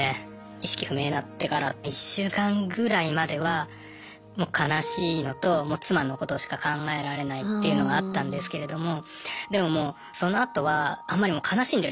意識不明になってから１週間ぐらいまではもう悲しいのともう妻のことしか考えられないっていうのがあったんですけれどもでももうそのあとはあんまり悲しんでる